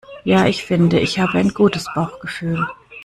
Ja, ich finde, ich habe ein gutes Bauchgefühl.